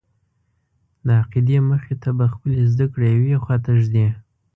د عقیدې مخې ته به خپلې زده کړې یوې خواته ږدې.